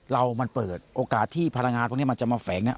เรามันเปิดโอกาสที่พลังงานพวกนี้มันจะมาแฝงเนี่ย